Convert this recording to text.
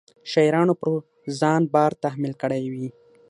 شاعرانو پر ځان بار تحمیل کړی وي.